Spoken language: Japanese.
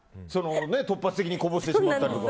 突発的にこぼしてしまったりとか。